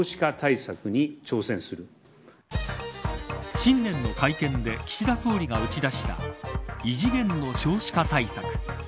新年の会見で岸田総理が打ち出した異次元の少子化対策。